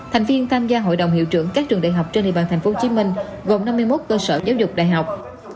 thành viên tham gia hội đồng hiệu trưởng các trường đại học trên địa bàn tp hcm gồm năm mươi một cơ sở giáo dục đại học